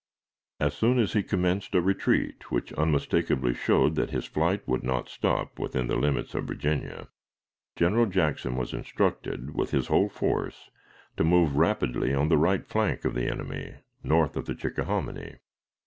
As soon as he commenced a retreat which unmistakably showed that his flight would not stop within the limits of Virginia, General Jackson was instructed, with his whole force, to move rapidly on the right flank of the enemy north of the Chickahominy.